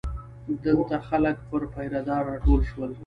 دلته خلک پر پیره دار راټول شول.